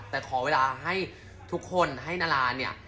แต่ขอเวลาให้ทุกคนให้นาราเนี่ย